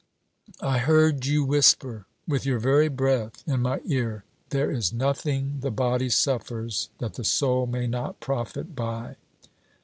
I heard you whisper; with your very breath in my ear: "There is nothing the body suffers that the soul may not profit by."